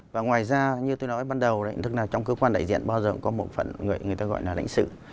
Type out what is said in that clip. và ngoài ra như tôi nói ban đầu thì thật ra trong cơ quan đại diện bao giờ cũng có một phần người người ta gọi là lãnh sự